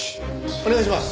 お願いします。